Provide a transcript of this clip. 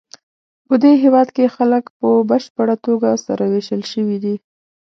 پدې هېواد کې خلک په بشپړه توګه سره وېشل شوي دي.